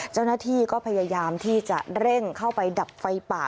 เจ้าหน้าที่ก็พยายามที่จะเร่งเข้าไปดับไฟป่า